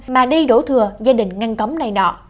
mà đi đổ thừa gia đình ngăn cấm này nọ